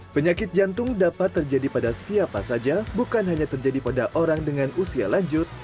penyakit jantung dapat terjadi pada siapa saja bukan hanya terjadi pada orang dengan usia lanjut